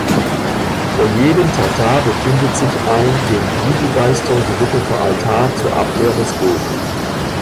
Vor jedem Tata befindet sich ein den Voodoo-Geistern gewidmeter Altar zur Abwehr des Bösen.